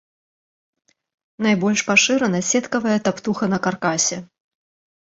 Найбольш пашырана сеткавая таптуха на каркасе.